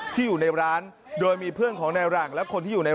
อยู่ในร้านโดยมีเพื่อนของนายหลังและคนที่อยู่ใน